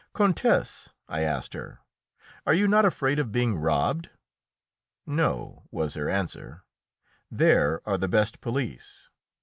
"Countess," I asked her, "are you not afraid of being robbed?" "No," was her answer; "there are the best police."